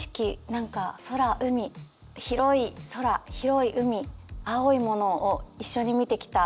何か空海広い空広い海青いものを一緒に見てきた。